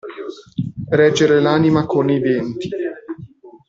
Reggere l'anima con i denti.